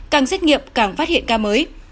càng xét nghiệm càng phát hiện ca mới